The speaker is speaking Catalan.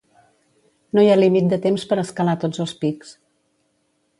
No hi ha límit de temps per escalar tots els pics.